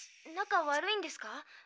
仲悪いんですか？